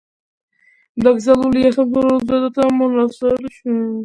დაკრძალულია სამთავროს დედათა მონასტერში.